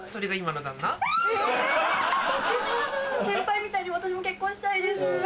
先輩みたいに私も結婚したいです。